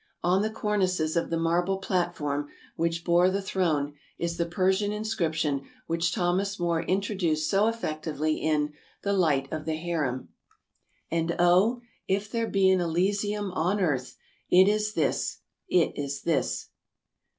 On the cornices of the marble platform which bore the throne is the Persian inscription which Thomas Moore in troduced so effectively in " The Light of the Harem ":" And, oh, if there be an Elysium on earth, It is this, it is this."